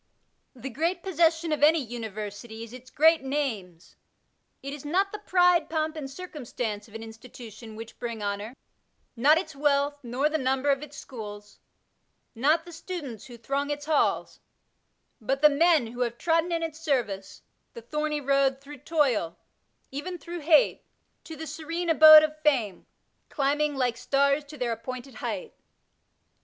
The great possession of any University is its great names. It is not the " pride, pomp and circumstance " of an insti tution which bring honour, not its wealth, nor the number of its schools, not the students who throng its halls, but the men who have trodden in its service the thorny road through toil, even through hate, to the serene abode of Fame, climbing ''like stars to their appointed height."